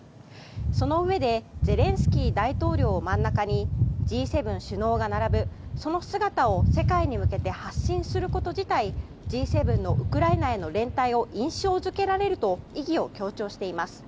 そのうえでゼレンスキー大統領を真ん中にＧ７首脳が並ぶその姿を世界に向けて発信すること自体Ｇ７のウクライナへの連帯を印象付けられると意義を強調しています。